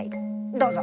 どうぞ。